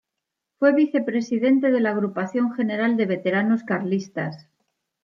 Fue vicepresidente de la Agrupación general de veteranos carlistas.